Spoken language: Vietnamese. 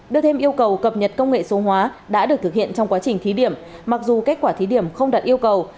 đưa thêm yêu cầu cập nhật công nghệ số hóa đã được thực hiện trong quá trình thí điểm mặc dù kết quả thí điểm không đạt yêu cầu